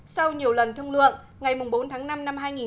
sau nhiều lần thương lượng ngày bốn tháng năm năm hai nghìn một mươi chín